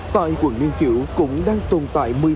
tại quận liên chữ cũng đang tồn tại